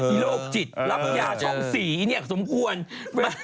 อีโรคจิตรัพยาชมศรีเนี่ยสมควร